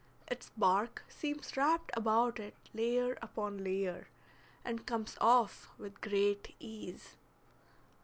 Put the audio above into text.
Its bark seems wrapped about it layer upon layer, and comes off with great ease.